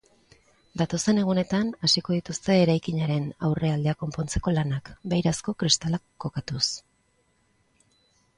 Datozen egunetan hasiko dituzte eraikinaren aurrealdea konpontzeko lanak, beirazko kristalak kokatuz.